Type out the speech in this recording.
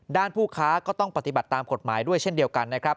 ผู้ค้าก็ต้องปฏิบัติตามกฎหมายด้วยเช่นเดียวกันนะครับ